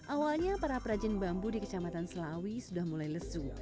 awalnya para perajin bambu di kecamatan selawi sudah mulai lesu